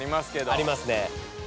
ありますね。